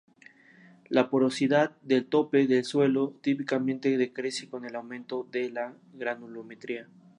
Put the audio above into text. La porosidad del tope de suelo típicamente decrece con el aumento de la granulometría.